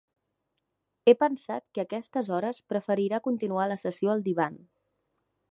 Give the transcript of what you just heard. He pensat que a aquestes hores preferirà continuar la sessió al divan.